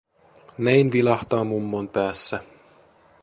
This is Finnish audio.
Näin vilahtaa mummon päässä.